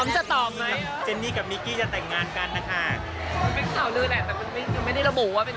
มันไม่ต้องตอบเลยแหละแต่มันไม่ได้ระบุว่าเป็น